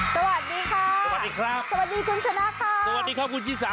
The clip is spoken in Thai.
สวัสดีค่ะสวัสดีครับสวัสดีคุณชนะค่ะสวัสดีครับคุณชิสา